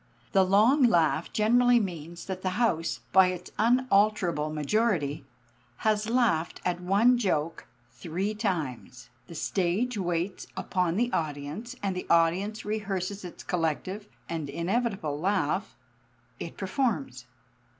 The long laugh generally means that the house by its unalterable majority has laughed at one joke three times. The stage waits upon the audience, and the audience rehearses its collective and inevitable laugh. It performs.